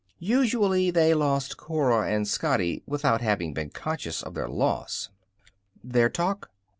Usually they lost Cora and Scotty without having been conscious of their loss. Their talk?